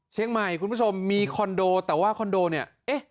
เชียงใหม่คุณพุทธสมมีคอนโดแต่ว่าคอนโดเนี้ยเอ๊ะ